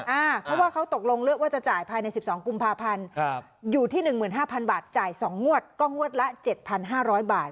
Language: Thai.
เพราะว่าเขาตกลงเลือกว่าจะจ่ายภายใน๑๒กุมภาพันธ์อยู่ที่๑๕๐๐บาทจ่าย๒งวดก็งวดละ๗๕๐๐บาท